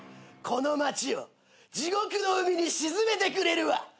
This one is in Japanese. この町を地獄の海に沈めてくれるわ！